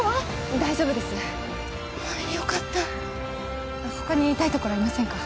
大丈夫ですよかった他に痛いところありませんか？